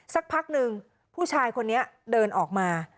สักพักหนึ่งผู้ชายคนนี้เดินออกมา